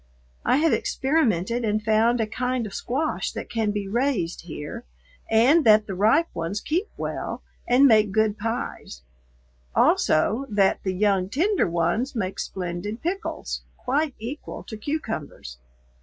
I have experimented and found a kind of squash that can be raised here, and that the ripe ones keep well and make good pies; also that the young tender ones make splendid pickles, quite equal to cucumbers.